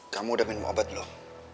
kamu udah minum obat loh